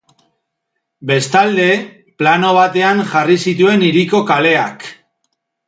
Bestalde, plano batean jarri zituen hiriko kaleak.